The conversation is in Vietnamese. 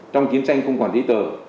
trong chiến tranh không quản lý tờ